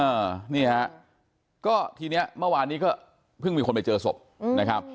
อ่านี่ฮะก็ทีเนี้ยเมื่อวานนี้ก็เพิ่งมีคนไปเจอศพนะครับ